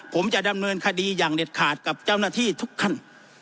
ผมจะดำเนินคดีอย่างเด็ดขาดกับเจ้าหน้าที่ทุกท่าน